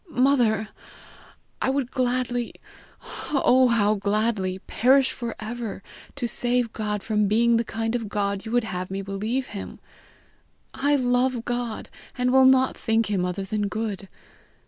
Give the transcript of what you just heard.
"Mother, I would gladly oh how gladly! perish for ever, to save God from being the kind of God you would have me believe him. I love God, and will not think him other than good.